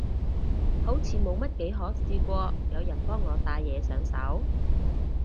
好似冇乜幾可試過有人幫我戴嘢上手